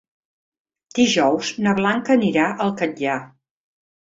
Dijous na Blanca anirà al Catllar.